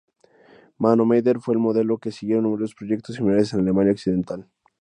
Mann-O-Meter fue el modelo que siguieron numerosos proyectos similares en Alemania Occidental.